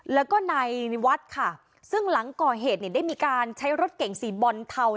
แล้วก็ในวัดค่ะซึ่งหลังก่อเหตุเนี่ยได้มีการใช้รถเก่งสีบอลเทา